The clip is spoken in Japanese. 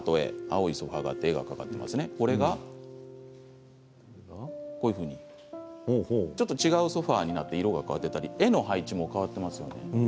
これが、こういうふうにちょっと違うソファーになって色が変わったり、絵の配置も変わっていますよね。